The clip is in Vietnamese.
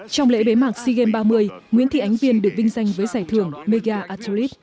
trong lễ bế mạc sea games ba mươi nguyễn thị ánh viên được vinh danh với giải thưởng mega atolit